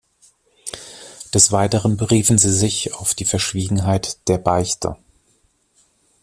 Des Weiteren beriefen sie sich auf die Verschwiegenheit der Beichte.